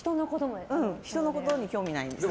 人のことに興味ないんです。